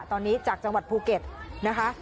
ตอนนี้จากจังหวัดภูเก็ตนะคะ